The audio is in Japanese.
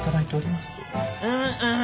うんうん。